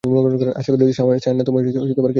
আশা করি, সামান্না তোমায় কিছু সাহায্য করতে পারে।